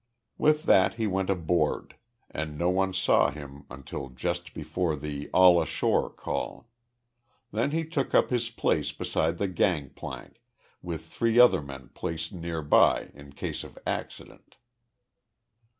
With that he went aboard, and no one saw him until just before the "All ashore" call. Then he took up his place beside the gangplank, with three other men placed near by in case of accident.